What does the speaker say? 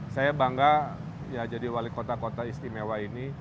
saya bangga ya jadi wali kota kota istimewa ini